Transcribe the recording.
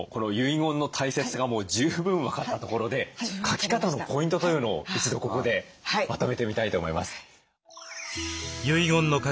十分分かったところで書き方のポイントというのを一度ここでまとめてみたいと思います。